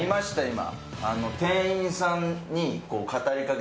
今。